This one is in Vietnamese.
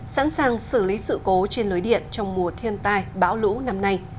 sẵn sàng xử lý sự cố trên lưới điện trong mùa thiên tai bão lũ năm nay